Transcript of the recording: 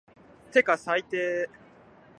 てか最低